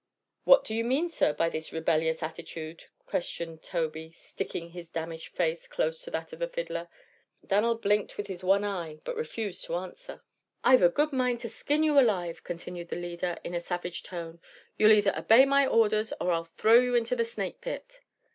"What do you mean, sir, by this rebellious attitude?" questioned Tobey, sticking his damaged face close to that of the fiddler. Dan'l blinked with his one eye but refused to answer. "I've a good mind to skin you alive," continued the leader, in a savage tone. "You'll either obey my orders or I'll throw you into the snake pit."